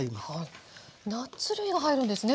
ナッツ類が入るんですね。